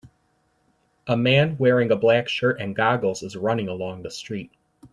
A man wearing a black shirt and goggles is running along the street